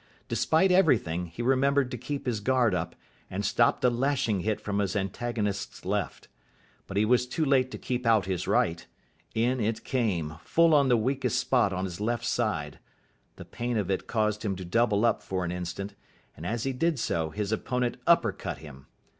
Despite everything, he remembered to keep his guard up, and stopped a lashing hit from his antagonist's left. But he was too late to keep out his right. In it came, full on the weakest spot on his left side. The pain of it caused him to double up for an instant, and as he did so his opponent upper cut him.